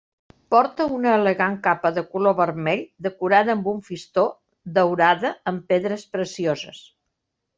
Porta una elegant capa de color vermell decorada amb un fistó daurada amb pedres precioses.